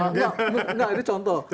enggak ini contoh